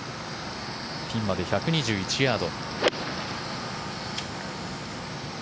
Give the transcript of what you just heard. ピンまで１２１ヤード。